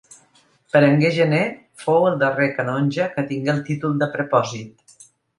Berenguer Gener fou el darrer canonge que tingué el títol de prepòsit.